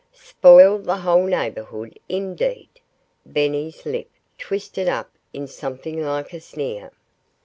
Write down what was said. ... Spoil the whole neighborhood indeed! ... Benny's lip twisted up in something like a sneer.